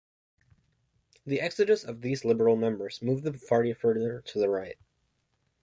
The exodus of these liberal members moved the party further to the right.